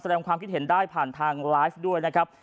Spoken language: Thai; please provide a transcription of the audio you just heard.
แสดงความคิดเห็นได้ผ่านทางไลฟ์ด้วยนะครับ